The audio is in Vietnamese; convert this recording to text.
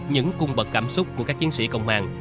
những cung bậc cảm xúc của các chiến sĩ công an